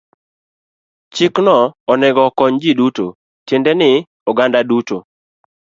Chikno onego okony ji duto, tiende ni oganda duto.